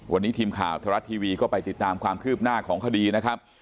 วันนี้ทีมข่าวไทยรัฐทีวีก็ไปติดตามความคืบหน้าของคดีนะครับ